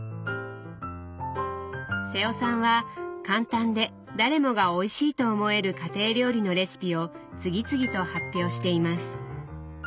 瀬尾さんは簡単で誰もがおいしいと思える家庭料理のレシピを次々と発表しています。